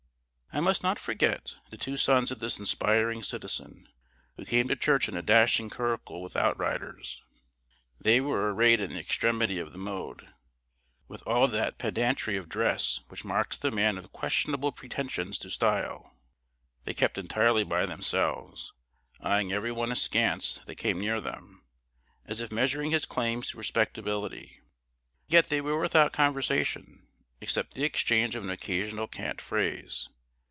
I must not forget the two sons of this inspiring citizen, who came to church in a dashing curricle with outriders. They were arrayed in the extremity of the mode, with all that pedantry of dress which marks the man of questionable pretensions to style. They kept entirely by themselves, eying every one askance that came near them, as if measuring his claims to respectability; yet they were without conversation, except the exchange of an occasional cant phrase.